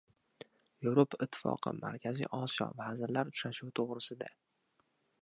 "Yevropa Ittifoqi – Markaziy Osiyo" vazirlar uchrashuvi to‘g‘risida